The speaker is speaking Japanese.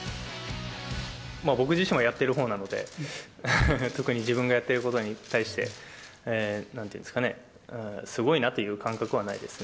僕自身はやっているほうなので、特に自分がやってることに対して、なんていうんですかね、すごいなっていう感覚はないですね。